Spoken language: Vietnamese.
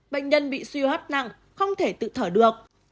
bệnh nhân bị suy hô hấp nặng không thể tự thở được